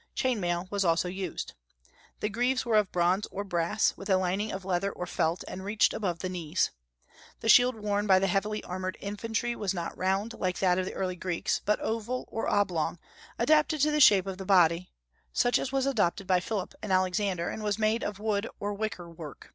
Chain mail was also used. The greaves were of bronze or brass, with a lining of leather or felt, and reached above the knees. The shield worn by the heavy armed infantry was not round, like that of the early Greeks, but oval or oblong, adapted to the shape of the body, such as was adopted by Philip and Alexander, and was made of wood or wicker work.